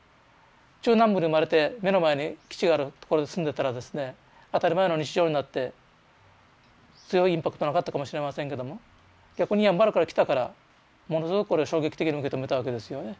中南部で生まれて目の前に基地がある所に住んでたらですね当たり前の日常になって強いインパクトなかったかもしれませんけども逆にやんばるから来たからものすごくこれ衝撃的に受け止めたわけですよね。